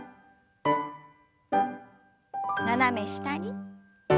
斜め下に。